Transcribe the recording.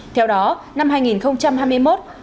theo đó năm hai nghìn hai mươi một